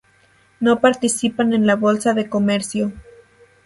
No participan en la Bolsa de Comercio.